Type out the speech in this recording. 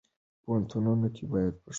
په پوهنتونونو کې باید پښتو اثار زیات شي.